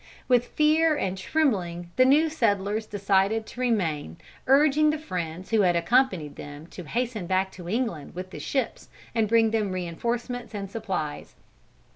With fear and trembling the new settlers decided to remain, urging the friends who had accompanied them to hasten back to England with the ships and bring them reinforcements and supplies.